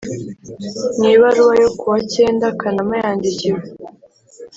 mu ibaruwa yo ku wa cyenda kanama yandikiwe